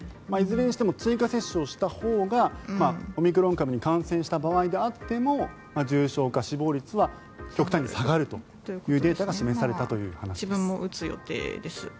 いずれにしても追加接種をしたほうがオミクロン株に感染した場合であっても重症化、死亡率は極端に下がるというデータが示されたという話です。